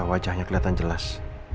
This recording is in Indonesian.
wajahnya kelihatan jelas